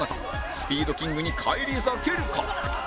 スピードキングに返り咲けるか？